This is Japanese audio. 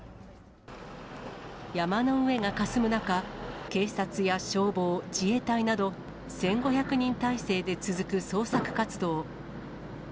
山の上がかすむ中、警察や消防、自衛隊など、１５００人態勢で続く捜索活動。